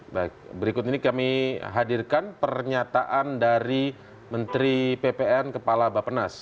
baik berikut ini kami hadirkan pernyataan dari menteri ppn kepala bapenas